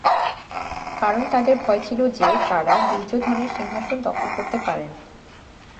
কারণ তাঁদের ভয় ছিল যে তাঁরা দুর্যোধনের সিংহাসন দখল করতে পারেন।